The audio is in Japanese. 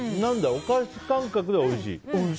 お菓子感覚でおいしい。